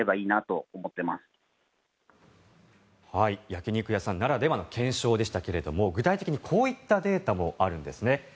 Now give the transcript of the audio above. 焼き肉屋さんならではの検証でしたが具体的にこういったデータもあるんですね。